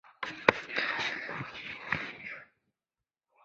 母常氏。